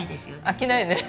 飽きないよね。